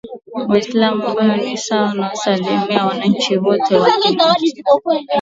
Waislamu ambao ni sawa na asilimia ya wananchi wote Walio wengi ni Wasunni